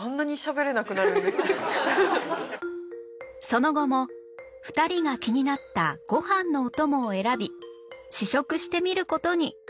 その後も２人が気になったご飯のお供を選び試食してみる事に